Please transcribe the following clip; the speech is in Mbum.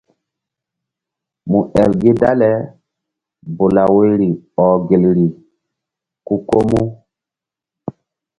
Mu el gi dale bula woyri ɔh gelri ku ko mu.